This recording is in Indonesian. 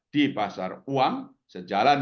di pasar uang sejalan